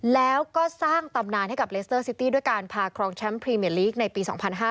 แล้วก็สร้างตำนานให้กับเลสเตอร์ซิตี้ด้วยการพาครองแชมป์พรีเมียลีกในปี๒๕๕๙